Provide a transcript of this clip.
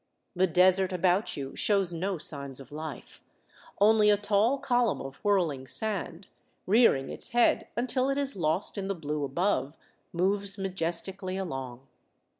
The desert about you shows no signs of life ; only a tall column of whirling sand, rearing its head until it is lost in the blue above, moves majestically along.